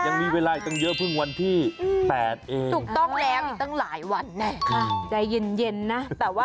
ยังมีเวลาอีกตั้งเยอะเพิ่งวันที่๘เองถูกต้องแล้วอีกตั้งหลายวันแน่ค่ะใดเย็นเย็นนะ